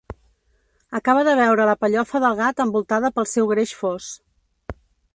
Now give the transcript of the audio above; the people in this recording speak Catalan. Acaba de veure la pellofa del gat envoltada pel seu greix fos.